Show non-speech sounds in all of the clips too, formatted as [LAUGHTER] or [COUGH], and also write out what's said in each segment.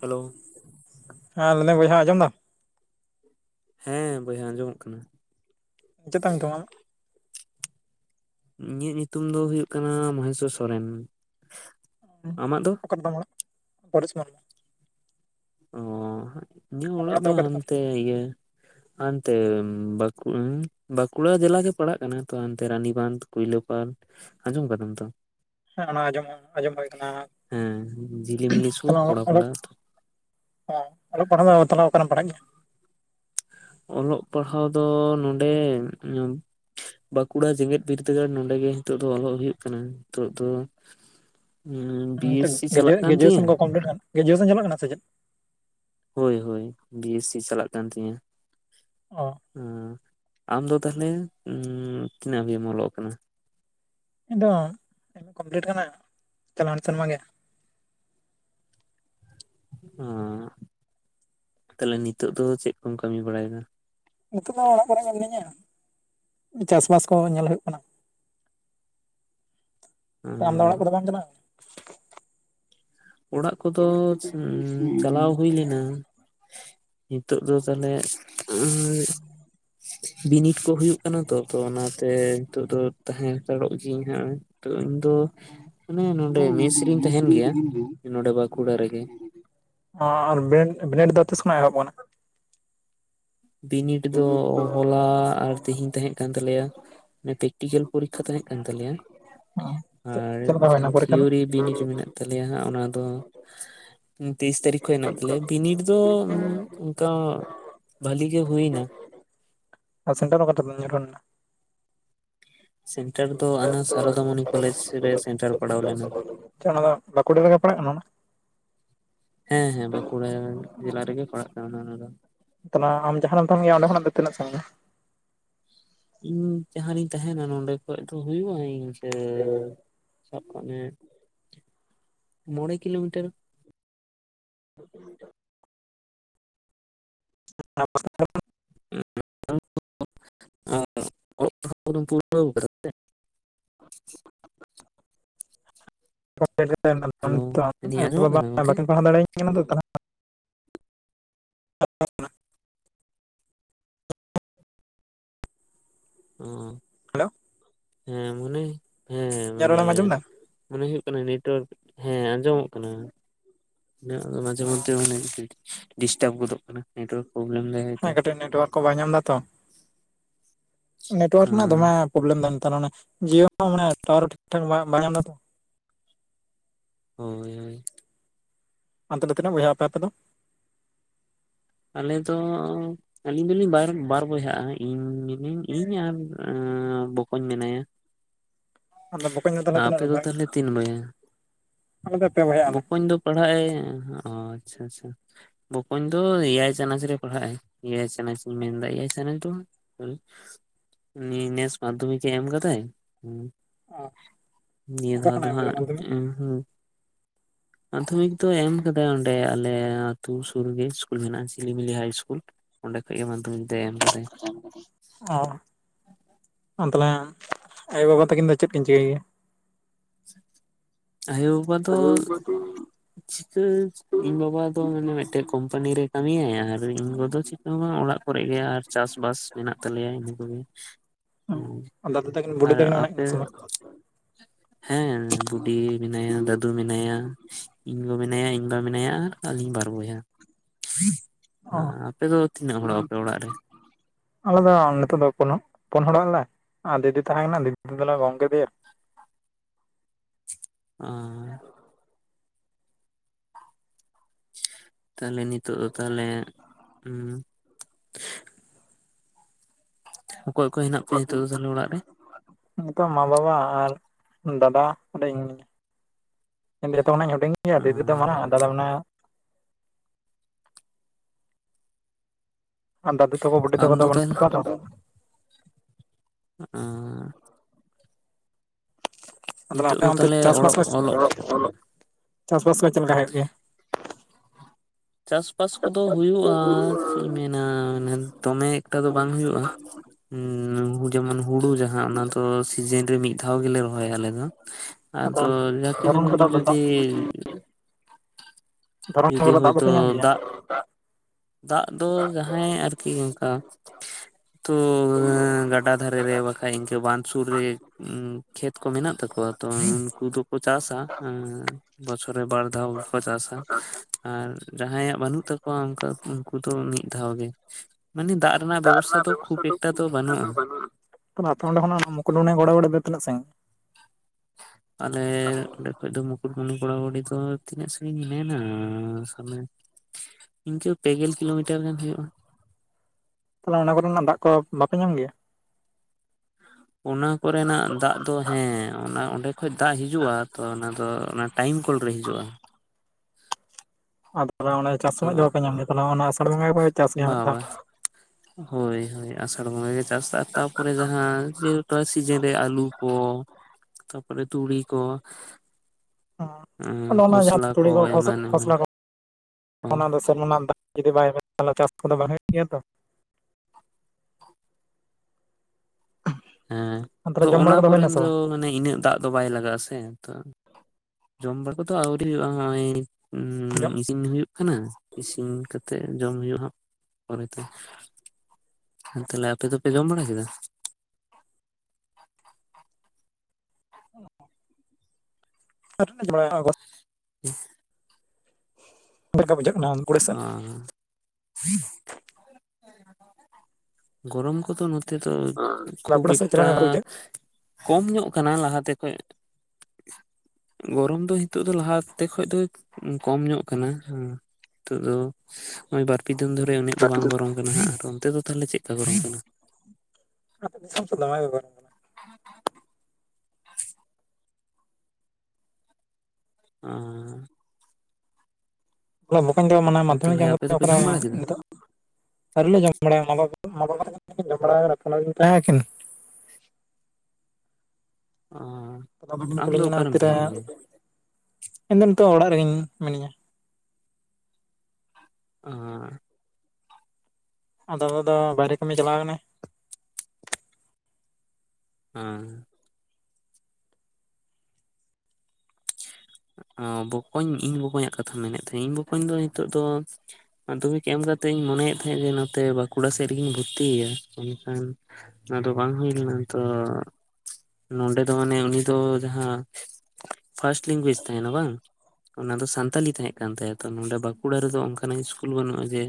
Hello ᱦᱮᱸ ᱢᱟᱱᱮ ᱵᱚᱭᱦᱟ ᱟᱡᱚᱢ ᱫᱟᱢ ᱦᱮᱸ ᱵᱚᱭᱦᱟ ᱟᱸᱡᱚᱢᱚᱜ ᱠᱟᱱᱟ [UNINTELLIGIBLE] ᱤᱧᱟᱹᱜ ᱧᱩᱛᱩᱢ ᱫᱚ ᱦᱩᱭᱩᱜ ᱠᱟᱱᱟ ᱢᱚᱦᱮᱥ ᱥᱚᱨᱮᱱ ᱟᱢᱟᱜ ᱫᱚ ᱚᱠᱟᱨᱮ ᱛᱟᱢ ᱚᱲᱟᱜ ᱚ ᱤᱧᱟᱹᱜ ᱟᱨ ᱚᱲᱟᱜ ᱫᱚ ᱚᱠᱟᱨᱮ ᱦᱟᱱ ᱛᱟᱢ ᱛᱮ ᱤᱭᱟᱹ ᱦᱟᱱ ᱛᱮ ᱵᱟᱸᱠᱩᱲᱟ ᱡᱮᱞᱟ ᱜᱮ ᱯᱟᱲᱟᱜ ᱠᱟᱱᱟ ᱛᱚ ᱦᱟᱱ ᱛᱮ ᱨᱟᱱᱤ ᱵᱟᱸᱫ ᱠᱩᱭᱞᱟᱹᱯᱟᱞ ᱟᱸᱡᱚᱢ ᱟᱠᱟᱫᱟᱢ ᱛᱚ ᱦᱮᱸ ᱚᱱᱟ ᱟᱸᱡᱚᱢ ᱟᱸᱡᱚᱢ ᱦᱩᱭ ᱠᱟᱱᱟ ᱦᱮᱸ ᱡᱷᱤᱞᱤᱢᱤᱞᱤ ᱥᱩᱨ ᱯᱚᱲᱟ ᱯᱟᱲᱟ ᱦᱮᱸ ᱚᱞᱚᱜ ᱯᱟᱲ ᱦᱟᱜ ᱫᱚ ᱚᱠᱟ ᱨᱮᱢ ᱯᱟᱲ ᱦᱟᱜ ᱜᱮᱭᱟ ᱚᱞᱚᱜ ᱯᱟᱲᱦᱟᱣ ᱫᱚ ᱱᱚᱰᱮ ᱵᱟᱸᱠᱩᱲᱟ ᱡᱮᱜᱮᱛ ᱵᱤᱨᱫᱟᱹᱜᱟᱲ ᱱᱚᱰᱮ ᱜᱮ ᱱᱤᱛᱚᱜ ᱫᱚ ᱚᱞᱚᱜ ᱦᱳᱭᱳᱜ ᱠᱟᱱᱟ ᱱᱤᱛᱚᱜ ᱫᱚ ᱵᱤ ᱮᱥ ᱥᱤ ᱪᱟᱞᱟᱜ ᱠᱟᱱ ᱜᱤᱡᱩᱭᱮᱥᱮᱱ ᱛᱤᱧᱟᱹ ᱠᱚᱢᱯᱞᱤᱴ ᱠᱟᱱᱟ ᱜᱤᱡᱩᱭᱮᱥᱚᱱ ᱪᱟᱞᱟᱜ ᱠᱟᱱᱟ ᱥᱮ ᱪᱮᱫ ᱦᱳᱭ ᱦᱳᱭ ᱵᱤ ᱮᱥ ᱥᱤ ᱪᱟᱞᱟᱜ ᱠᱟᱱ ᱛᱤᱧᱟᱹ ᱚ ᱟᱢ ᱫᱚ ᱛᱟᱦᱚ ᱞᱮ ᱛᱤᱱᱟᱹᱜ ᱦᱟᱵᱤᱡ ᱮᱢ ᱚᱞᱚᱜ ᱠᱟᱱᱟ ᱤᱧᱟᱜ ᱫᱚ ᱮᱢᱮ ᱠᱚᱢᱯᱞᱤᱴ ᱠᱟᱱᱟ ᱪᱟᱞᱟᱣ ᱮᱱ ᱥᱮᱨᱢᱟ ᱜᱮ ᱚ ᱛᱟᱞᱮ ᱱᱤᱛᱚᱜ ᱫᱚ ᱪᱮᱫ ᱠᱚᱢ ᱠᱟᱹᱢᱤ ᱵᱟᱲᱟᱭ ᱮᱫᱟ ᱱᱤᱛᱚᱜ ᱫᱚ ᱚᱲᱟᱜ ᱠᱚᱨᱮ ᱜᱮ ᱢᱤᱱᱟᱹᱧᱼᱟ ᱪᱟᱥ ᱵᱟᱥ ᱠᱚ ᱧᱮᱞ ᱦᱳᱭᱳᱜ ᱠᱟᱱᱟ ᱟᱢ ᱫᱚ ᱚᱲᱟᱜ ᱠᱚ ᱫᱚ ᱵᱟᱢ ᱪᱟᱞᱟᱜᱼᱟ ᱚᱲᱟᱜ ᱠᱚᱫᱚ ᱪᱟᱞᱟᱣ ᱦᱩᱭ ᱞᱮᱱᱟ ᱱᱤᱛᱚᱜ ᱫᱚ ᱛᱟᱦᱞᱮ [UNINTELLIGIBLE] ᱵᱤᱱᱤᱰ ᱠᱚ ᱦᱩᱭᱩᱜ ᱠᱟᱱᱟ ᱛᱚᱛᱚ ᱚᱱᱟᱛᱮ ᱱᱤᱛᱚᱜ ᱫᱚ ᱛᱟᱦᱮᱸ ᱦᱟᱛᱟᱲᱚᱜ ᱜᱤᱭᱟᱹᱧ ᱦᱟᱸᱜ ᱛᱚ ᱤᱧ ᱫᱚ ᱢᱟᱱᱮ ᱱᱚᱰᱮ ᱢᱮᱥ ᱨᱤᱧ ᱛᱟᱦᱮᱸᱱ ᱜᱮᱭᱟ᱾ ᱱᱚᱰᱮ ᱵᱟᱠᱩᱲᱟ ᱨᱮᱜᱮ ᱦᱚᱸ ᱟᱨ ᱵᱤᱱᱤᱰ ᱫᱚ ᱛᱤᱥ ᱠᱷᱚᱱᱟᱜ ᱮᱦᱚᱵ ᱠᱟᱱᱟ᱾ ᱵᱤᱱᱤᱰ ᱫᱚ ᱦᱚᱞᱟ ᱟᱨ ᱛᱮᱦᱤᱧ ᱛᱟᱦᱮᱸᱜ ᱠᱟᱱ ᱛᱟᱞᱮᱭᱟ᱾ ᱯᱮᱠᱴᱤᱠᱮᱞ ᱯᱚᱨᱤᱠᱠᱷᱟ ᱛᱟᱸᱦᱮᱸ ᱠᱟᱱ ᱛᱟᱞᱮᱭᱟ᱾ ᱟᱨ ᱪᱮᱫ ᱞᱮᱠᱟ ᱦᱩᱭᱱᱟ ᱡᱟᱦᱟᱸ ᱯᱚᱨᱤᱠᱠᱷᱟ ᱫᱚ ᱛᱷᱤᱭᱳᱨᱤ ᱵᱤᱱᱤᱴ ᱢᱮᱱᱟᱜ ᱛᱟᱞᱮᱭᱟᱜ ᱦᱟᱸᱜ ᱚᱱᱟ ᱫᱚ ᱛᱮᱭᱤᱥ ᱛᱟᱨᱤᱠᱷ ᱠᱷᱚᱡ ᱦᱮᱱᱟᱜ ᱛᱟᱞᱮᱭᱟ ᱵᱤᱱᱤᱰ ᱫᱚ ᱦᱚᱸ ᱚᱱᱠᱟ ᱵᱷᱟᱞᱤ ᱜᱮ ᱦᱩᱭ ᱮᱱᱟ ᱥᱮᱱᱴᱟᱨ ᱫᱚ ᱚᱠᱟ ᱨᱮ ᱧᱩᱨ ᱞᱮᱱᱟ ᱥᱮᱱᱴᱟᱨ ᱫᱚ ᱟᱱᱟ ᱥᱟᱨᱚᱫᱟᱢᱚᱱᱤ ᱠᱚᱞᱮᱡᱽ ᱨᱮ ᱥᱮᱱᱴᱟᱨ ᱯᱟᱲᱟᱣ ᱞᱮᱱᱟ ᱪᱮ ᱚᱱᱟ ᱫᱚ ᱵᱟᱠᱩᱲᱟ ᱨᱮᱜᱮ ᱯᱟᱲᱟᱜ ᱠᱟᱱᱟ᱾ ᱦᱮᱸ ᱦᱮᱸ ᱵᱟᱠᱩᱲᱟ ᱡᱮᱞᱟ ᱨᱮᱜᱮ ᱯᱟᱲᱟᱜ ᱠᱟᱱᱟ ᱚᱱᱟ ᱫᱚ᱾ ᱛᱮᱞᱟ ᱟᱢ ᱡᱟᱦᱟᱸ ᱨᱮᱢ ᱛᱟᱦᱮᱱ ᱜᱮᱭᱟ ᱚᱸᱰᱮ ᱠᱷᱱᱟᱜ ᱫᱚ ᱛᱤᱱᱟᱹ ᱥᱟᱺᱜᱤᱧᱟ.? ᱤᱧ ᱡᱟᱦᱟᱸ ᱨᱤᱧ ᱛᱟᱦᱮᱸᱱᱟ ᱱᱚᱰᱮ ᱠᱷᱚᱡ ᱫᱚ ᱦᱩᱭᱩᱜᱼᱟ ᱤᱱ ᱠᱟᱹ ᱥᱟᱵ ᱠᱟᱜ ᱢᱮ ᱢᱚᱬᱮ ᱠᱤᱞᱳᱢᱤᱴᱟᱨ᱾ [INAUDIBLE] [UNINTELLIGIBLE] [INAUDIBLE] [UNINTELLIGIBLE] ᱦᱮᱞᱳ ᱢᱮᱱᱫᱟᱹᱧ ᱟᱸᱡᱚᱢᱚᱜ ᱟᱭᱳᱼᱵᱟᱵᱟ ᱠᱟᱱᱟ ᱜᱚᱝᱠᱮ ᱵᱟᱠᱤᱱ ᱯᱟᱲᱦᱟᱣ ᱫᱟᱲᱮᱭᱟᱹᱧ ᱠᱟᱱᱟ [INAUDIBLE] ᱩ ᱦᱮᱞᱳ ᱦᱮᱸ ᱢᱚᱱᱤ ᱦᱮᱸ ᱤᱧᱟᱹᱜ ᱢᱟᱱᱮ ᱨᱚᱲᱮᱢ ᱟᱸᱡᱚᱢ ᱮᱫᱟ? ᱢᱚᱱᱮ ᱦᱩᱭᱩᱜ ᱠᱟᱱᱟ ᱱᱮᱴᱣᱟᱨᱠ ᱦᱮᱸ ᱟᱸᱡᱚᱢᱚᱜ ᱠᱟᱱᱟ᱾ ᱢᱟᱱᱮ ᱚᱸ ᱢᱟᱡᱷᱮ ᱢᱚᱫᱽᱫᱷᱮ ᱚᱱᱮ ᱰᱤᱥᱴᱟᱵ ᱜᱚᱫᱚᱜ ᱠᱟᱱᱟ᱾ ᱱᱮᱴᱣᱟᱨᱠ ᱯᱨᱚᱵᱞᱮᱢ ᱫᱟᱭ ᱦᱚᱭᱛᱚ ᱦᱳᱭ ᱠᱟᱹᱴᱤᱜ ᱱᱮᱴᱚᱳᱣᱟᱨᱠ ᱠᱚ ᱵᱟᱭ ᱧᱟᱢ ᱫᱟ ᱛᱚ᱾ ᱱᱮᱴᱣᱟᱨ ᱢᱟ ᱫᱚᱢᱮ ᱦᱮᱸ ᱯᱚᱵᱞᱮᱢ ᱫᱟᱭ ᱱᱮᱛᱟᱨ ᱚᱱᱮ ᱡᱤᱭᱳ ᱦᱚᱸ ᱢᱟᱱᱮ ᱴᱟᱣᱟᱨᱚ ᱴᱷᱤᱠ ᱴᱷᱟᱠ ᱵᱟᱼᱵᱟᱭ ᱧᱟᱢᱫᱟ ᱛᱚ᱾ ᱦᱳᱭ ᱟᱱᱛᱮ ᱫᱚ ᱛᱤᱱᱟᱹᱜ ᱵᱚᱭᱦᱟ ᱟᱯᱮ ᱟᱯᱮ ᱫᱚ? ᱟᱞᱮ ᱫᱚ ᱟᱹᱞᱤᱧ ᱫᱚᱞᱤᱧ ᱵᱟᱨ ᱵᱟᱨ ᱵᱚᱭᱦᱟᱜᱼᱟ ᱤᱧ ᱢᱤᱱᱟᱹᱧ ᱤᱧ ᱟᱨ ᱵᱚᱠᱚᱧ ᱢᱮᱱᱟᱭᱟ᱾ ᱟᱫᱚ ᱵᱚᱠᱚᱧ ᱫᱚ ᱱᱟᱸᱜ ᱟᱯᱮ ᱛᱤᱱᱟᱹᱜ ᱨᱮ ᱯᱟᱲᱦᱟᱜ ᱛᱟᱦᱚᱞᱮ ᱠᱟᱱᱟᱭ ᱛᱤᱱ ᱵᱚᱭᱦᱟ ᱟᱞᱮ ᱫᱚ ᱯᱮ ᱵᱚᱭᱦᱟ ᱟᱞᱮ᱾ ᱵᱚᱠᱚᱧ ᱫᱚ ᱯᱟᱲᱦᱟᱜ ᱟᱭ ᱚ ᱟᱪᱪᱷᱟ ᱟᱪᱪᱷᱟ ᱵᱚᱠᱚᱧ ᱫᱚ ᱮᱭᱟᱭ ᱪᱟᱱᱟᱪ ᱨᱮ ᱯᱟᱲᱦᱟᱜ ᱟᱭ᱾ ᱮᱭᱟᱭ ᱪᱟᱱᱟᱪ ᱤᱧ ᱢᱮᱱᱫᱟ ᱮᱭᱟᱭ ᱪᱟᱱᱟᱪ ᱫᱚ ᱩᱱᱤ ᱱᱮᱥ ᱢᱟᱫᱽᱫᱷᱚᱢᱤᱠᱮ ᱮᱢ ᱠᱟᱫᱟᱭ᱾ ᱱᱤᱭᱟᱹ ᱚᱠᱟ ᱫᱷᱟᱣ ᱫᱚ ᱠᱷᱚᱱᱟᱜ ᱮᱢ ᱜᱮᱞᱟᱢ ᱦᱟᱸᱜ ᱟᱢ [UNINTELLIGIBLE] ᱢᱟᱫᱽᱫᱷᱚᱢᱤᱠ ᱫᱚᱭ ᱮᱢ ᱠᱟᱫᱟ ᱚᱸᱰᱮ ᱟᱞᱮ ᱟᱛᱩ ᱥᱩᱨ ᱜᱮ [UNINTELLIGIBLE] [INAUDIBLE] ᱢᱮᱱᱟᱜᱼᱟ ᱪᱷᱤᱞᱤᱢᱤᱞᱤ ᱦᱟᱭ ᱤᱥᱠᱩᱞ ᱚᱸᱰᱮ ᱠᱷᱚᱡ ᱜᱮ ᱢᱟᱫᱽᱫᱷᱚᱢᱤᱠ ᱫᱮᱭ ᱮᱢ ᱠᱟᱫᱟᱭ ᱾ [UNINTELLIGIBLE] ᱟᱭᱳᱼᱵᱟᱵᱟ ᱛᱟᱹᱠᱤᱱ ᱫᱚ ᱪᱮᱫ ᱠᱤᱱ ᱪᱤᱠᱟᱹᱭ ᱜᱮᱭᱟ? ᱟᱭᱳ [UNINTELLIGIBLE] ᱪᱷᱤᱠᱟᱹ ᱤᱧ ᱵᱟᱵᱟ ᱫᱚ ᱢᱟᱱᱮ ᱢᱤᱫᱴᱮᱡ ᱠᱳᱢᱯᱟᱱᱤ ᱨᱮ ᱠᱟᱹᱢᱤᱭᱟᱭ, ᱟᱨ ᱤᱧ ᱜᱚ ᱫᱚ ᱪᱤᱠᱟᱹ ᱦᱚᱸᱵᱟᱝ ᱚᱲᱟᱜ ᱠᱚᱨᱮ ᱜᱮ ᱟᱨ ᱪᱟᱥ ᱵᱟᱥ᱾ ᱢᱮᱱᱟᱜ ᱛᱟᱞᱮᱭᱟ ᱤᱱᱟᱹ ᱠᱚᱜᱮ ᱩᱸ ᱫᱟᱫᱩ ᱛᱟᱹᱠᱤᱱ ᱵᱩᱰᱤ ᱟᱨ ᱛᱟᱹᱠᱤᱱ ᱢᱮᱱᱟᱜ ᱠᱤᱱᱟ ᱟᱯᱮ? ᱥᱮ ᱵᱟᱝ? ᱦᱮᱸ ᱵᱩᱰᱤ ᱢᱮᱱᱟᱭᱟ ᱫᱟᱫᱩ ᱢᱮᱱ ᱱᱟᱭᱟ ᱤᱧ ᱜᱚ ᱢᱮᱱᱟᱭᱟ, ᱤᱧ ᱵᱟ ᱢᱮᱱᱟᱭᱟ, ᱟᱹᱞᱤᱧ ᱵᱟᱨ ᱵᱚᱭᱦᱟ᱾ ᱚ ᱦᱟᱸ ᱟᱯᱮ ᱫᱚ ᱛᱤᱱᱟᱹᱜ ᱦᱚᱲᱚᱜ ᱟᱯᱮ ᱚᱲᱟᱜ ᱨᱮ? ᱟᱞᱮ ᱫᱚ ᱱᱤᱛᱚᱜ ᱫᱚ ᱠᱚᱱᱩ ᱯᱩᱱ ᱦᱚᱲᱟᱜ ᱞᱮ᱾ ᱟᱨ ᱫᱤᱫᱤ ᱛᱟᱦᱮᱸ ᱮᱱᱟ ᱫᱤᱫᱤ ᱫᱚᱞᱮ ᱜᱚᱝ ᱠᱮᱫᱮᱭᱟ᱾ ᱚ ᱛᱟᱦᱞᱮ ᱱᱤᱛᱳᱜ ᱫᱚ ᱛᱟᱦᱞᱮ ᱩᱸ ᱚᱠᱚᱭ ᱠᱚ ᱦᱮᱱᱟᱜ ᱯᱮᱭᱟ ᱦᱤᱛᱳᱜ ᱫᱚ ᱛᱟᱦᱞᱮ ᱚᱲᱟᱜ ᱨᱮ? ᱱᱤᱛᱚᱜ ᱢᱟ ᱵᱟᱵᱟ ᱟᱨ ᱫᱟᱫᱟ [INAUDIBLE] ᱡᱚᱛᱚ ᱠᱷᱚᱱᱟᱹᱧ ᱦᱩᱰᱤᱧ ᱜᱤᱭᱟ ᱚ ᱫᱤᱫᱤ ᱫᱚ ᱢᱟᱨᱟᱝ ᱟᱨ ᱫᱟᱫᱟ ᱢᱮᱱᱟᱭᱟ᱾ ᱟᱨ ᱫᱟᱫᱩ ᱛᱟᱠᱚ ᱵᱩᱰᱤ ᱛᱟᱠᱚ ᱟᱢ ᱫᱚ ᱵᱟᱹᱱᱩᱜ ᱛᱟᱦᱚᱞᱮ ᱠᱚᱣᱟ ᱛᱚ᱾ ᱟ ᱛᱟᱦᱞᱮ ᱱᱤᱛᱚᱜ ᱟᱯᱮ ᱫᱚ ᱚᱱᱛᱮ ᱛᱟᱦᱚᱞᱮ ᱪᱟᱥᱵᱟᱥ, ᱚᱞᱚᱜ ᱚᱞᱚᱜ ᱪᱟᱥᱵᱟᱥ ᱠᱚ ᱪᱮᱫ ᱞᱮᱠᱟ ᱦᱳᱭᱳᱜ ᱜᱮᱭᱟ? ᱪᱟᱥᱵᱟᱥ ᱠᱚᱫᱚ ᱦᱳᱭᱳᱜᱼᱟ ᱾ ᱪᱮᱫ ᱤᱧ ᱢᱮᱱᱟ ᱫᱚᱢᱮ ᱮᱠᱴᱟ ᱫᱚ ᱵᱟᱝ ᱦᱳᱭᱳᱜᱼᱟ᱾ ᱡᱮᱢᱚᱱ ᱦᱩᱲᱩ ᱡᱟᱦᱟᱸ ᱚᱱᱟ ᱫᱚ ᱥᱤᱡᱤᱱ ᱨᱮ ᱢᱤᱫ ᱫᱷᱟᱣ ᱜᱮᱞᱮ ᱨᱚᱦᱚᱭᱟ ᱟᱞᱮ ᱫᱚ᱾ ᱟᱫᱚ ᱡᱟᱠᱮ ᱫᱷᱚᱨᱚᱱ ᱡᱮᱢᱚᱱ ᱫᱚ ᱠᱚᱫᱚ ᱫᱟᱜ ᱡᱩᱫᱤ ᱫᱷᱚᱨᱚᱱ ᱡᱩᱫᱤ ᱦᱳᱲᱳ ᱫᱟᱜ ᱦᱳᱭᱛᱳ ᱫᱚᱯᱮ ᱧᱟᱢ ᱜᱮᱭᱟ? ᱫᱟᱜ ᱫᱟᱜ ᱫᱚ ᱡᱟᱦᱟᱸᱭ ᱟᱨᱠᱤ ᱚᱝᱠᱟ ᱛᱚ ᱜᱟᱰᱟ ᱫᱷᱟᱨᱮ ᱨᱮ ᱵᱟᱠᱷᱟᱡ ᱤᱱᱠᱟᱹ ᱵᱟᱸᱫ ᱥᱩᱨ ᱨᱮ ᱩᱸ ᱠᱷᱮᱛ ᱠᱚ ᱢᱮᱱᱟᱜ ᱛᱟᱠᱚᱣᱟ ᱛᱚ ᱩᱱᱠᱩ ᱫᱚᱠᱚ ᱪᱟᱥᱟ ᱟᱸ ᱵᱚᱪᱷᱚᱨ ᱨᱮ ᱵᱟᱨ ᱫᱷᱟᱣ ᱜᱮᱠᱚ ᱪᱟᱥᱟ ᱟᱨ ᱡᱟᱦᱟᱸᱭᱟᱜ ᱵᱟᱹᱱᱩᱜ ᱛᱟᱠᱚᱣᱟ ᱚᱝᱠᱟ ᱩᱝᱠᱩ ᱫᱚ ᱢᱤᱫ ᱫᱷᱟᱣ ᱜᱮ ᱢᱟᱱᱮ ᱫᱟᱜ ᱨᱮᱱᱟᱜ ᱵᱮᱵᱚᱥᱛᱟ ᱫᱚ ᱠᱷᱩᱵ ᱮᱠᱴᱟ ᱫᱚ ᱵᱟᱹᱱᱩᱜᱼᱟ᱾ ᱟᱯᱮ ᱚᱸᱰᱮ ᱠᱷᱚᱱᱟᱜ ᱢᱩᱠᱩᱴᱵᱩᱲᱤ ᱜᱚᱲᱟᱵᱟᱲᱤ ᱫᱚ ᱛᱤᱱᱟᱹᱜ ᱥᱟᱺᱜᱤᱧ? ᱟᱞᱮ ᱚᱸᱰᱮ ᱠᱷᱚᱡ ᱫᱚ ᱢᱩᱠᱩᱴᱢᱩᱵᱤ ᱜᱚᱲᱟᱵᱟᱲᱤ ᱫᱚ ᱛᱤᱱᱟᱹᱜ ᱥᱟᱺᱜᱤᱧ ᱤᱧ ᱢᱮᱱᱟ ᱥᱟᱵᱢᱮ ᱤᱱᱠᱟᱹ ᱯᱮ ᱜᱮᱞ ᱠᱤᱞᱚᱢᱤᱴᱟ. ᱨ ᱜᱟᱱ ᱦᱩᱭᱚᱜᱼᱟ ᱛᱟᱦᱚᱞᱮ ᱚᱱᱟ ᱠᱚᱨᱮᱱᱟᱜ ᱫᱟᱜ ᱠᱚ ᱵᱟᱯᱮ ᱧᱟᱢ ᱜᱮᱭᱟ ᱚᱱᱟ ᱠᱚᱨᱮᱱᱟᱜ ᱫᱟᱜ ᱫᱚ ᱦᱮᱸ ᱚᱱᱟ ᱚᱸᱰᱮ ᱠᱷᱚᱡ ᱫᱟᱜ ᱦᱤᱡᱩᱜᱼᱟ ᱛᱚ ᱚᱱᱟ ᱫᱚ ᱴᱟᱭᱤᱢ ᱠᱚᱞ ᱨᱮ ᱦᱤᱡᱩᱜᱼᱟ ᱟᱫᱚ [INAUDIBLE] ᱢᱟᱱᱮ ᱪᱟᱥ ᱛᱚ ᱥᱩᱢᱚᱭᱡ ᱫᱚ ᱵᱟᱯᱮ ᱧᱟᱢ ᱜᱮᱭᱟ ᱛᱟᱦᱚᱞᱮ ᱚᱱᱟ ᱟᱥᱟᱲ ᱵᱚᱸᱜᱟ ᱜᱮ ᱯᱮ ᱪᱟᱥ ᱵᱟ ᱧᱟᱢᱮᱜ ᱵᱟ ᱛᱮᱦᱮᱜ ᱦᱳᱭ ᱦᱳᱭ ᱟᱥᱟᱲ ᱵᱚᱸᱜᱟ ᱜᱮ ᱪᱟᱥ ᱛᱟ... ᱛᱟᱯᱚᱨᱮ ᱡᱟᱦᱟᱸ [UNINTELLIGIBLE] ᱥᱤᱡᱤᱱ ᱨᱮ ᱟᱞᱩ ᱠᱚ ᱛᱟᱨᱯᱚᱨᱮ ᱛᱩᱲᱤ ᱠᱚ ᱚ ᱚᱱᱚ ᱚᱱᱟ ᱡᱟᱦᱟᱸ ᱠᱷᱚᱥᱞᱟ ᱛᱩᱲᱤ ᱠᱚ ᱠᱷᱚᱥᱚᱜ... ᱮᱢᱟᱱ ᱮᱢᱟᱱ ᱠᱷᱚᱥᱞᱟ ᱠᱚ ᱠᱚ ᱚᱱᱟ ᱫᱚ [UNINTELLIGIBLE] ᱫᱟᱜ ᱡᱩᱫᱤ ᱵᱟᱭ [UNINTELLIGIBLE] ᱪᱟᱥ ᱠᱚᱫᱚ ᱵᱟᱝ ᱦᱚᱭᱚᱜ ᱜᱮᱭᱟ ᱛᱚ ᱦᱮᱸ ᱛᱟᱦᱚᱞᱮ ᱛᱚ ᱡᱚᱢ ᱵᱟᱲᱟ ᱚᱱᱟ ᱠᱚᱫᱚ ᱦᱩᱭᱱᱟ ᱠᱚᱨᱮᱱ ᱥᱮ ᱫᱚ ᱵᱟᱝ ᱢᱟᱱᱮ ᱤᱱᱟᱹᱜ ᱫᱟᱜ ᱫᱚ ᱵᱟᱭ ᱞᱟᱜᱟᱜᱼᱟ ᱥᱮ ᱛᱚ, ᱡᱚᱢ ᱵᱟᱲᱟ ᱠᱚᱫᱚ ᱟᱹᱣᱨᱤ ᱦᱩᱭᱩᱜᱼᱟ ᱦᱚᱸᱜ-ᱚᱭ ᱡᱚᱢ ᱩᱸᱻᱤᱥᱤᱱ ᱦᱩᱭᱩᱜ ᱠᱟᱱᱟ, ᱤᱥᱤᱱ ᱠᱟᱛᱮᱜ ᱡᱚᱢ ᱦᱩᱭᱩᱜ-ᱟ ᱦᱟᱸᱜ ᱯᱚᱨᱮ ᱛᱮ ᱦᱮᱸ ᱛᱟᱦᱞᱮ ᱟᱯᱮ ᱫᱚ ᱯᱮ ᱡᱚᱢ ᱵᱟᱲᱟ ᱠᱮᱫᱟ [UNINTELLIGIBLE] [UNINTELLIGIBLE] [UNINTELLIGIBLE] ᱵᱩᱡᱷᱟᱹᱜ ᱠᱟᱱᱟ ᱩᱱᱠᱩᱲ ᱥᱮᱫ ᱟᱺᱻ [UNINTELLIGIBLE] ᱜᱚᱨᱚᱢ ᱠᱚᱫᱚ ᱱᱚᱛ... ᱛᱮᱫᱚ ᱠᱷᱩᱵ ᱵᱟᱸᱠᱩᱲᱟ ᱥᱮᱫ ᱪᱟᱞᱟᱜ ᱮᱠᱴᱟ ᱞᱮᱠᱟ ᱠᱚ ᱵᱩᱡᱷᱟᱹᱜ ᱠᱚᱢ ᱧᱚᱜ ᱠᱟᱱᱟ, ᱞᱟᱦᱟᱛᱮ ᱠᱷᱚᱡ ᱜᱚᱨᱚᱢ ᱫᱚ ᱦᱤᱛᱳᱜ ᱫᱚ ᱞᱟᱦᱟ ᱛᱮ ᱠᱷᱚᱡ ᱫᱚ ᱠᱚᱢ ᱧᱚᱜ ᱠᱟᱱᱟ, ᱦᱟᱸ ᱱᱤᱛᱚᱜ ᱫᱚ ᱱᱚᱜ-ᱚᱭ ᱵᱟᱨ ᱯᱮ ᱫᱤᱱ ᱫᱷᱚᱨᱮ ᱩᱱᱟᱹᱜ ᱫᱚ ᱵᱟᱝ ᱜᱚᱨᱚᱢ ᱟᱯᱮ ᱠᱟᱱᱟ ᱦᱟᱸᱜ, ᱟᱨ ᱚᱱᱛᱮ ᱫᱚ ᱛᱟᱦᱞᱮ ᱪᱮᱜᱠᱟ ᱜᱚᱨᱚᱢ ᱠᱟᱱᱟ ᱚᱱᱟ ᱠᱳ ᱫᱤᱥᱚᱢ ᱥᱮᱫ ᱫᱟᱢᱮ ᱜᱮ ᱜᱚᱨᱳᱢ [UNINTELLIGIBLE] ᱚᱸᱻ ᱦᱚᱞᱟ ᱵᱚᱠᱚᱧ ᱫᱚ ᱢᱟᱱᱮ ᱚ ᱢᱟᱫᱽᱫᱷᱚᱢᱤᱠ ᱛᱟᱦᱞᱮ ᱮᱢ ᱟᱯᱮ ᱠᱟᱛᱮᱜ ᱫᱚᱯᱮ ᱚᱠᱟᱨᱮ ᱡᱚᱢ ᱵᱟᱲᱟ ᱠᱮᱫᱟ ᱱᱤᱛᱳᱜ ᱟᱹᱣᱨᱤ ᱞᱮ ᱡᱚᱢ ᱵᱟᱲᱟᱭᱟ ᱢᱟ ᱵᱟᱵᱟ ᱛᱟᱠᱤᱱ ᱫᱚᱠᱤᱱ ᱡᱚᱢ ᱵᱟᱲᱟ ᱟᱠᱟᱫᱟ, ᱯᱷᱳᱱ ᱟᱫᱤᱧ ᱛᱟᱦᱮᱸ ᱟᱠᱤᱱ ᱚᱸᱻ [INAUDIBLE] ᱠᱩᱞᱤᱧ ᱠᱟᱱᱟ ᱛᱤ ᱨᱮ ᱤᱧᱫᱚ ᱱᱤᱛᱳᱜ ᱚᱲᱟᱜ ᱨᱮᱜᱮᱧ ᱢᱤᱱᱟᱹᱧᱟ ᱚᱦᱚᱸᱻ ᱟᱫᱚ ᱫᱟᱫᱟ ᱫᱚ ᱵᱟᱦᱨᱮ ᱠᱟᱹᱢᱤ ᱪᱟᱞᱟᱣ ᱟᱠᱟᱱᱟᱭ ᱦᱮᱸ ᱚ ᱵᱚᱠᱚᱧ ᱤᱧ ᱵᱚᱠᱚᱧᱟᱜ ᱠᱟᱛᱷᱟᱢ ᱢᱮᱱᱮᱫ ᱛᱟᱦᱮ ᱤᱧ ᱵᱚᱠᱚᱧ ᱫᱚ ᱦᱤᱛᱳᱜ ᱫᱚ ᱢᱟᱫᱷᱚᱢᱤᱠ ᱮᱢ ᱠᱟᱛᱮ ᱤᱧ ᱢᱚᱱᱮᱭᱮᱫ ᱛᱟᱦᱮᱸᱫ ᱡᱮ ᱱᱚᱛᱮ ᱵᱟᱸᱠᱩᱲᱟ ᱥᱮᱜ ᱨᱮᱜᱤᱧ ᱵᱷᱚᱨᱛᱤᱭᱮᱭᱟ ᱢᱮᱱᱠᱷᱟᱱ ᱟᱫᱚ ᱵᱟᱝ ᱦᱩᱭ ᱞᱮᱱᱟ ᱛᱚ ᱱᱚᱸᱰᱮ ᱫᱚ ᱢᱟᱱᱮ ᱩᱱᱤ ᱫᱚ ᱡᱟᱦᱟᱸ ᱯᱷᱟᱥᱴ ᱞᱮᱝᱜᱩᱣᱮᱡᱽ ᱛᱟᱦᱮᱱᱟ ᱵᱟᱝ ᱚᱱᱟ ᱫᱚ ᱥᱟᱱᱛᱟᱞᱤ ᱛᱟᱦᱮᱸᱜ ᱠᱟᱱ ᱛᱟᱭᱟ ᱛᱚ ᱱᱚᱸᱰᱮ ᱵᱟᱸᱠᱩᱲᱟ ᱨᱮ ᱫᱚ ᱚᱱᱠᱟᱱᱟᱜ ᱤᱥᱠᱩᱞ ᱵᱟᱹᱱᱩᱜᱼᱟ ᱡᱮ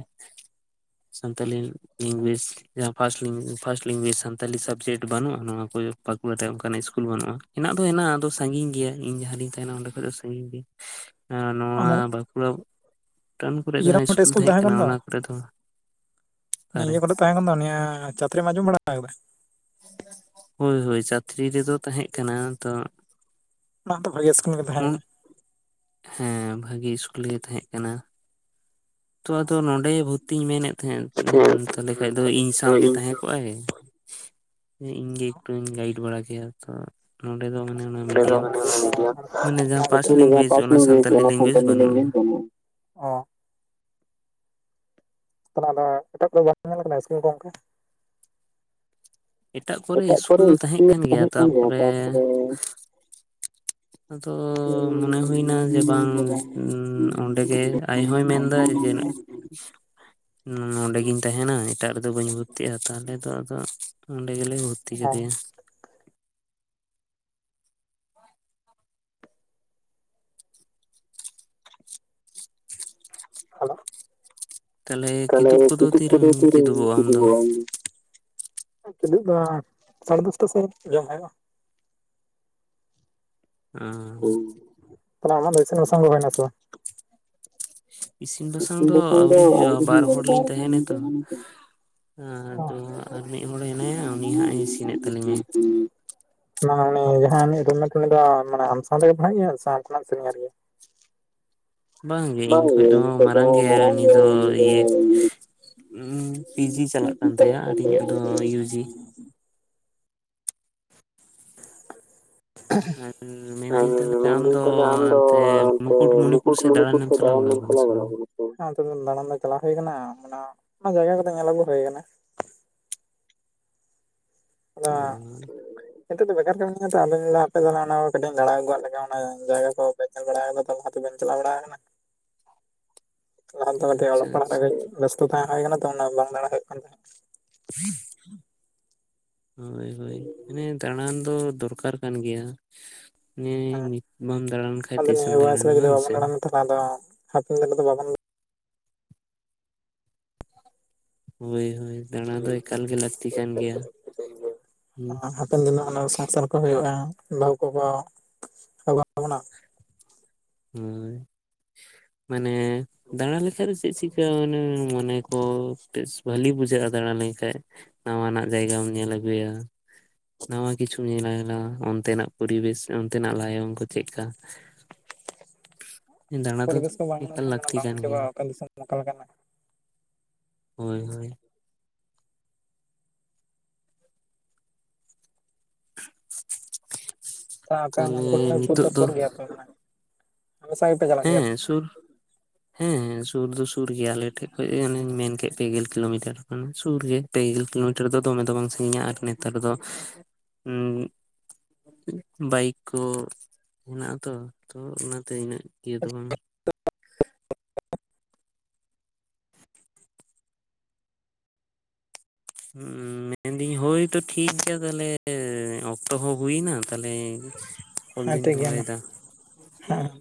ᱥᱟᱱᱛᱟᱞᱤ -ᱝᱜᱩᱣᱮᱡᱽ ᱡᱟᱦᱟᱸ ᱯᱷᱟᱥᱴ [UNINTELLIGIBLE] ᱞᱮᱝᱜᱩᱣᱮᱡᱽ ᱥᱟᱱᱛᱟᱞᱤ ᱥᱟᱵᱡᱮᱠᱴ ᱵᱟᱹᱱᱩᱜᱼᱟ ᱱᱚᱶᱟ ᱠᱚ [UNINTELLIGIBLE] ᱚᱱᱠᱟᱱᱟᱜ ᱤᱥᱠᱩᱞ ᱵᱟᱹᱱᱩᱜᱼᱟ, ᱦᱮᱱᱟᱜ ᱫᱚ ᱦᱮᱱᱟᱜ ᱟᱫᱚ ᱥᱟᱺᱜᱤᱧ ᱜᱮᱭᱟ ᱤᱧ ᱡᱟᱦᱟᱸ ᱨᱤᱧ ᱛᱟᱦᱮᱱᱟ ᱚᱸᱰᱮ ᱠᱷᱚᱱ ᱫᱚ ᱥᱟᱺᱜᱤᱧ ᱜᱮᱭᱟ ᱟᱨ ᱱᱚᱣᱟ ᱟᱫᱚ ᱵᱟᱸᱠᱩᱲᱟ ᱴᱟᱣᱱ ᱠᱚᱨᱮ ᱤᱭᱟᱹ ᱨᱮ ᱡᱟᱦᱟᱸ ᱤᱥᱠᱩᱞ ᱛᱟᱦᱮᱸᱜ ᱠᱟᱱᱟ ᱚᱱᱟ ᱠᱚᱨᱮ ᱫᱚ ᱚᱠᱟᱨᱮ ᱤᱭᱟᱹ ᱠᱚᱨᱮ ᱛᱟᱦᱮᱸ ᱠᱟᱱ ᱫᱚ ᱱᱤᱭᱟᱹ ᱪᱟᱛᱨᱤ ᱟᱸᱡᱚᱢ ᱵᱟᱲᱟ ᱟᱠᱟᱫᱟ ᱦᱚᱭ ᱦᱚᱭ ᱪᱟᱛᱨᱤ ᱨᱮᱫᱚ ᱛᱟᱦᱮᱸᱜ ᱠᱟᱱᱟ ᱛᱚ ᱚᱱᱟ ᱦᱚᱸ ᱛᱚ ᱵᱷᱟᱜᱮ ᱤᱥᱠᱩᱞ ᱜᱮ ᱛᱟᱦᱮᱸ ᱩᱱ ᱠᱟᱱᱟ ᱦᱮᱸ ᱵᱷᱟᱜᱮ ᱤᱥᱠᱩᱞ ᱜᱮ ᱛᱟᱦᱮᱸ ᱠᱟᱱᱟ ᱛᱚ ᱟᱫᱚ ᱱᱚᱰᱮ ᱵᱷᱩᱨᱛᱤᱧ ᱢᱮᱱ ᱮᱫ ᱛᱟᱦᱮᱱ ᱛᱟᱦᱚᱞᱮ ᱠᱷᱟᱡ ᱫᱚ ᱠᱟᱱᱟ᱾ ᱤᱧ ᱦᱮᱸ ᱥᱟᱶᱜᱮ ᱥᱮ ᱛᱟᱦᱮᱸ ᱠᱚᱜᱼᱟᱭ ᱤᱧ ᱜᱮ ᱮᱠᱴᱩᱧ ᱜᱟᱭᱤᱰ ᱵᱟᱲᱟ ᱠᱮᱭᱟ ᱛᱚ ᱱᱚᱸᱰᱮ ᱫᱚ ᱢᱟᱱᱮ ᱚᱱᱟ ᱱᱚᱰᱮ ᱫᱚ ᱢᱤᱰᱤᱭᱟ. ᱢ ᱢᱟᱱᱮ ᱚᱱᱟ ᱢᱤᱰᱤᱭᱟᱢ ᱢᱟᱱᱮ ᱡᱟᱦᱟᱸ ᱯᱷᱟᱥᱴ ᱤᱧ ᱡᱟᱦᱟᱸ ᱞᱮᱝᱜᱩᱣᱮᱡ ᱯᱟᱥ ᱚᱱᱟ ᱞᱤᱧ ᱞᱟᱹᱭ ᱠᱮᱜ ᱥᱟᱱᱛᱟᱞᱤ ᱚᱱᱟ ᱞᱮᱝᱜᱩᱣᱮᱡᱽ ᱥᱟᱱᱛᱟᱞᱤ ᱵᱟᱹᱱᱩᱜ ᱞᱤᱧ ᱟᱱᱟ᱾ ᱧᱮᱞ [INAUDIBLE] ᱡᱚᱝᱚᱜᱼᱟ᱾ ᱚ ᱛᱟᱦᱞᱮ ᱟᱫᱚ ᱮᱴᱟᱜ ᱠᱚᱫᱚ ᱵᱟᱝ ᱧᱮᱞ ᱟᱠᱟᱫᱟ ᱤᱥᱠᱩᱞ ᱠᱚ ᱜᱚᱝᱠᱮ ᱮᱴᱟᱜ ᱠᱚᱨᱮ ᱤᱥᱠᱩᱞ ᱫᱚ ᱛᱟᱦᱮᱸ ᱠᱟᱱ ᱜᱮᱭᱟ ᱛᱟᱯᱚᱨᱮ [UNINTELLIGIBLE] ᱟᱫᱚ ᱢᱚᱱᱮ ᱦᱩᱭᱱᱟ ᱡᱮ ᱵᱟᱝ ᱚ ᱚᱸᱰᱮ ᱜᱮ ᱟᱡ ᱦᱚᱸᱭ ᱢᱮᱱ ᱮᱫᱟ ᱨᱤᱡᱮᱱᱟ. [UNINTELLIGIBLE] ᱱᱚᱰᱮ ᱜᱤᱧ ᱛᱟᱦᱮᱱᱟ ᱮᱴᱟᱜ ᱨᱮᱫᱚ ᱵᱟᱹᱧ ᱵᱷᱚᱨᱛᱤᱜᱼᱟ ᱛᱟᱦᱚᱞᱮ ᱫᱚ ᱟᱫᱚ ᱚᱸᱰᱮ ᱜᱮᱞᱮ ᱵᱷᱚᱛᱤᱼᱟ ᱛᱤ ᱠᱮᱫᱮᱭᱟ ᱦᱮᱞᱳ ᱛᱟᱦᱚᱞᱮ ᱛᱟᱦᱞᱮ ᱠᱤᱫᱩᱵ ᱠᱚᱫᱚ ᱯᱤᱡᱩ ᱠᱚ ᱛᱤᱨᱮᱢ ᱛᱤᱨ ᱠᱤᱫᱩᱵᱚᱜᱼᱟ ᱟᱢ ᱛᱤᱡᱤᱵ ᱫᱚ? [UNINTELLIGIBLE] ᱛᱤᱞᱩ ᱫᱚ ᱥᱟᱲᱮ ᱫᱚᱥᱴᱟ ᱥᱮᱫ ᱡᱚᱢ ᱦᱩᱭᱩᱜᱼᱟ ᱛᱟᱦᱚᱞᱮ ᱟᱢᱟᱜ ᱫᱚ ᱤᱥᱤᱱ ᱵᱟᱥᱟᱝ ᱦᱩᱭ ᱱᱟᱥᱮ ᱵᱟᱝ ᱤᱥᱤᱱ ᱵᱟᱥᱟᱝ ᱫᱚ ᱟᱹᱣᱨᱤ ᱦᱩᱭᱩᱜᱼᱟ ᱵᱟᱨ ᱦᱚᱲ ᱞᱤᱧ ᱛᱟᱦᱮᱱᱟᱛᱚ ᱦᱮᱸ ᱚ ᱟᱫᱚ ᱟᱨ ᱢᱤᱫ ᱦᱚᱲᱮ ᱦᱮᱱᱟᱭᱟ ᱩᱱᱤ ᱦᱟᱸᱜ ᱤᱥᱤᱱᱮᱫ ᱛᱟᱹᱟᱞᱤᱧᱟᱭ ᱩᱱᱤ ᱡᱟᱦᱟᱸᱭᱟᱱ ᱨᱩᱢ ᱩᱱᱤ ᱫᱚ ᱢᱟᱱᱮ ᱟᱢ ᱥᱟᱶᱛᱮᱜᱮ ᱯᱟᱲᱦᱟᱜ ᱜᱮᱭᱟ ᱥᱮ ᱟᱢ ᱠᱷᱚᱱᱟᱜ ᱮ ᱥᱤᱱᱤᱭᱟᱨ ᱜᱮᱭᱟ ᱵᱟᱝ ᱜᱮ ᱤᱧ ᱠᱷᱚᱱ ᱫᱚ ᱢᱟᱨᱟᱝ ᱜᱮᱭᱟᱭ ᱩᱱᱤ ᱫᱚ ᱤᱭᱟᱹ ᱯᱤᱡᱤ ᱪᱟᱞᱟᱜ ᱠᱟᱱ ᱛᱟᱭᱟ ᱟᱨ ᱤᱧᱟᱹᱜ ᱫᱚ ᱭᱩᱡᱤ ᱟᱨ ᱠᱟᱱ ᱢᱮᱱᱫᱟᱹᱧ ᱛᱟᱦᱚᱞᱮ ᱛᱟᱭᱟ᱾ ᱢᱮᱱᱫᱟᱹᱧ ᱟᱢᱫᱚ ᱛᱟᱦᱚᱞᱮ ᱟᱢ ᱫᱚ ᱦᱟᱱᱛᱮ ᱚᱱᱛᱮ ᱢᱩᱠᱩᱴᱢᱩᱱᱤᱯᱩᱨ ᱥᱮᱫ ᱫᱟᱬᱟᱱ ᱮᱢ ᱪᱟᱞᱟᱣ ᱵᱟᱲᱟ ᱟᱠᱟᱱᱟ ᱟᱪᱪᱷᱟ [UNINTELLIGIBLE] ᱦᱮ ᱚᱱᱛᱮ ᱫᱟᱬᱟᱱ ᱫᱚ ᱪᱟᱞᱟᱣ ᱦᱩᱭ ᱟᱠᱟᱱᱟ ᱚᱱᱟ ᱚᱱᱟ ᱡᱟᱭᱜᱟ ᱠᱚᱫᱚ ᱧᱮᱞ ᱟᱹᱜᱩ ᱦᱩᱭ ᱠᱟᱱᱟ ᱚ ᱟ [UNINTELLIGIBLE] [UNINTELLIGIBLE] ᱱᱤᱛᱚᱜ ᱫᱚ ᱵᱮᱠᱟᱨ ᱜᱮ ᱢᱤᱱᱤᱧ ᱛᱚ ᱟᱫ ᱞᱟᱹᱭ ᱟᱯᱮ ᱛᱟᱦᱮ ᱚᱱᱟ ᱠᱟᱹᱴᱤᱡ ᱞᱟᱲᱟ ᱟᱹᱜᱩᱣᱟᱜ ᱞᱮ ᱞᱮᱠᱟ ᱚᱱᱟ ᱡᱟᱭᱜᱟ ᱠᱚ ᱧᱮᱞ ᱵᱟᱲᱟᱫᱟ ᱚᱱᱟ ᱛᱮᱵᱮᱱ ᱪᱟᱞᱟᱣ ᱵᱟᱲᱟ ᱟᱠᱟᱱᱟ [UNINTELLIGIBLE] ᱞᱟᱦᱟ ᱛᱮ ᱫᱚ ᱠᱟᱹᱴᱤᱡ ᱟᱪᱪᱷᱟ ᱚᱞᱚᱜ ᱟᱪᱪᱷᱟ ᱯᱟᱲᱦᱟᱜ ᱨᱮ ᱵᱮᱥᱛᱚ ᱛᱟᱦᱮᱸ ᱦᱩᱭ ᱠᱟᱱᱟ ᱛᱚ ᱚᱱᱟ ᱵᱟᱝ ᱫᱟᱬᱟ ᱦᱩᱭᱩᱜ ᱠᱟᱱ ᱛᱟᱦᱮᱸᱫ ᱦᱮᱸ [UNINTELLIGIBLE] ᱦᱳᱭ ᱦᱳᱭ ᱢᱟᱱᱮ ᱫᱟᱬᱟᱱ ᱫᱚ ᱫᱚᱨᱠᱟᱨ ᱠᱟᱱ ᱜᱮᱭᱟ ᱦᱮᱸ ᱱᱤᱛ ᱵᱟᱢ ᱫᱟᱬᱟᱲ ᱠᱷᱟᱱᱡ ᱟᱫᱚ ᱛᱤᱥᱮᱢ ᱱᱤᱭᱟᱹ ᱵᱚᱭᱮᱥ ᱨᱮ ᱫᱟᱲᱟᱱᱟ ᱡᱩᱫᱤ ᱵᱟᱝ ᱵᱟᱵᱚᱱ ᱥᱮ ᱟᱲᱟᱝ ᱟᱫᱚ ᱦᱟᱯᱮᱱ ᱫᱤᱱ ᱨᱮ ᱫᱚ ᱵᱟᱵᱚᱱ ᱦᱳᱭ ᱦᱳᱭ ᱫᱟᱬᱟ ᱫᱚ ᱮᱠᱟᱞ ᱜᱮ ᱞᱟᱹᱠᱛᱤ ᱠᱟᱱ ᱜᱮᱭᱟ ᱦᱟᱯᱮᱱ ᱫᱤᱱ ᱥᱚᱱᱥᱟᱨ ᱠᱚ ᱦᱩᱭᱩᱜᱼᱟ ᱵᱟᱹᱦᱩ ᱠᱚᱠᱚ ᱟᱜᱩ ᱟᱵᱚᱱᱟᱜ ᱦᱳᱭ ᱢᱟᱱᱮ ᱫᱟᱬᱟ ᱞᱮᱠᱷᱟᱡ ᱫᱚ ᱪᱮᱫ ᱪᱤᱠᱠᱟ ᱚᱱᱮ ᱢᱚᱱᱮ ᱠᱚ ᱵᱷᱟᱞᱤ ᱵᱩᱡᱷᱟᱹᱜᱼᱟ ᱫᱟᱲᱟ ᱞᱮᱠᱷᱟᱡ ᱱᱟᱣᱟᱱᱟᱜ ᱡᱟᱭᱜᱟᱢ ᱧᱮᱞ ᱟᱹᱜᱩᱭᱟ ᱱᱟᱣᱟ ᱠᱤᱪᱷᱩ ᱧᱮᱞ ᱞᱮᱜᱟᱭᱟ ᱚᱱᱛᱮᱱᱟᱜ ᱯᱚᱨᱤᱵᱮᱥ ᱚᱱᱛᱮᱱᱟᱜ ᱞᱟᱭᱚᱝ ᱠᱚ ᱪᱮᱫᱠᱟ ᱫᱟᱬᱟ ᱫᱚ ᱯᱚᱨᱤᱵᱮᱥ ᱠᱚ ᱵᱟᱝ ᱧᱮᱞ ᱮᱠᱟᱞ ᱞᱮᱠᱷᱟᱱ ᱞᱟᱹᱠᱛᱤ ᱵᱟᱝ ᱠᱟᱱ ᱜᱮᱭᱟ ᱵᱩᱡᱷᱟᱹᱜᱼᱟ ᱚᱠᱟ ᱫᱤᱥᱚᱢ ᱚᱠᱟ ᱞᱮᱠᱟᱱᱟ ᱦᱳᱭ ᱦᱳᱭ ᱟᱯᱮ ᱛᱟᱦᱚᱞᱮ ᱚᱱᱟ ᱠᱚ ᱱᱤᱛᱚᱜ ᱫᱚ ᱫᱚᱥᱚᱨ ᱜᱮᱭᱟᱯᱮ ᱟᱮ ᱥᱟᱸᱜ ᱜᱮᱯᱮ ᱪᱟᱞᱟᱜᱼᱟ [UNINTELLIGIBLE] ᱦᱮᱸ ᱥᱩᱨ ᱦᱮᱸ ᱥᱩᱨ ᱫᱚ ᱥᱩᱨ ᱜᱮᱭᱟ ᱟᱞᱮ ᱴᱷᱮᱡ ᱠᱷᱚᱱᱚᱡ ᱟᱱᱮᱧ ᱢᱮᱱ ᱠᱮᱫ ᱯᱮᱜᱮᱞ ᱠᱤᱞᱳᱢᱤᱴᱟᱨ ᱠᱟᱱᱟ ᱥᱩᱨ ᱜᱮ ᱯᱮᱜᱮᱞ ᱠᱤᱞᱳᱢᱤᱴᱟᱨ ᱫᱚ ᱫᱚᱢᱮ ᱫᱚ ᱵᱟᱝ ᱥᱟᱺᱜᱤᱧᱟ ᱟᱨ ᱱᱮᱛᱟᱨ ᱫᱚ ᱵᱟᱭᱤᱠ ᱠᱚ ᱦᱮᱱᱟᱜᱼᱟ ᱟᱛᱚ ᱛᱚ ᱚᱱᱟᱛᱮ ᱤᱱᱟᱹᱜ ᱤᱭᱟᱹ ᱫᱚ ᱵᱟᱝ ᱢᱮᱱᱫᱤᱹᱧ ᱦᱳᱭᱛᱚ ᱴᱷᱤᱠ ᱜᱮᱭᱟ ᱛᱟᱦᱚᱞᱮ ᱚᱠᱛᱚ ᱦᱚᱸ ᱦᱩᱭᱱᱟ ᱛᱟᱦᱚᱞᱮ ᱠᱚᱞ ᱦᱮᱸ ᱫᱩᱸᱡ ᱴᱷᱤᱠ ᱜᱮᱭᱟ ᱢᱟ ᱫᱚᱦᱚᱭᱮᱫᱟ ᱦᱮᱸ [UNINTELLIGIBLE]